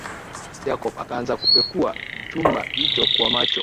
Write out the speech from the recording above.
Jacob akaanza kupekua chumba hicho kwa macho